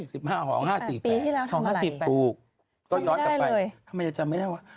๑๕๔๘ปีที่แล้วทำบุกคือก็ยอดจำไปทำไมจะจำไม่ได้วะ